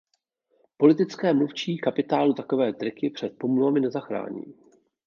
Politické mluvčí kapitálu takové triky před pomluvami nezachrání.